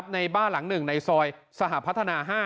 ฝ่านมาในบ้าหลังหนึ่งในซอยสหพัฒนา๕